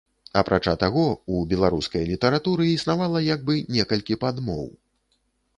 Апрача таго, у беларускай літаратуры існавала як бы некалькі падмоў.